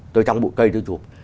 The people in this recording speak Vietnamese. tôi trong bụi cây tôi chụp